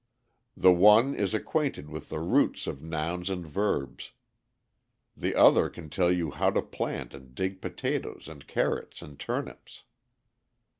The one is acquainted with the roots of nouns and verbs; The other can tell you how to plant and dig potatoes and carrots and turnips.